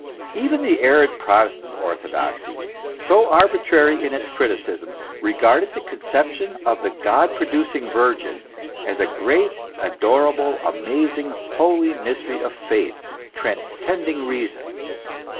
Even the arid Protestant orthodoxy, so arbitrary in its criticism, regarded the conception of the God producing Virgin, as a great, adorable, amazing, holy mystery of faith, transcending reason.